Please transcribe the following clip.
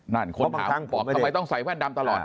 นั่นคนถามต้องใส่แว่นดำตลอด